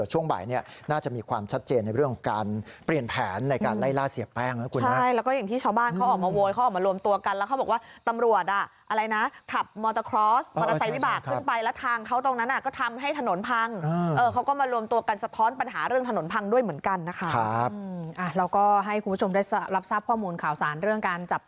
ช่วงบ่ายน่าจะมีความชัดเจนในเรื่องการเปลี่ยนแผน